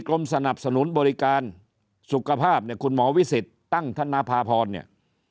กรมสนับสนุนบริการสุขภาพเนี่ยคุณหมอวิสิทธิ์ตั้งธนภาพรเนี่ย